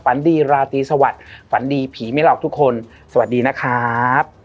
ฝันดีราตรีสวัสดิ์ฝันดีผีไม่หลอกทุกคนสวัสดีนะครับ